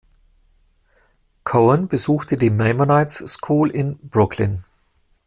Cohen besuchte die Maimonides School in Brookline.